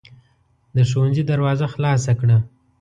د ښوونځي دروازه خلاصه کړه.